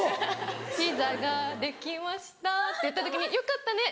「ピザができました」って言った時に「よかったね」